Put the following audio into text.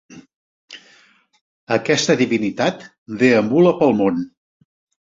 Aquesta divinitat deambula pel món.